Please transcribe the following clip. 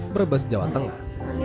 berbas jawa tengah